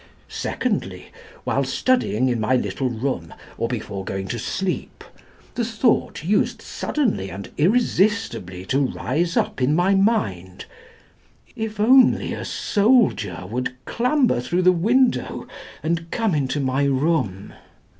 Secondly, while studying in my little room, or before going to sleep, the thought used suddenly and irresistibly to rise up in my mind If only a soldier would clamber through the window and come into my room!